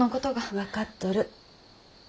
分かっとる。